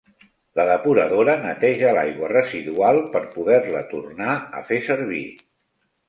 La depuradora neteja l'aigua residual per poder-la tornar a fer servir.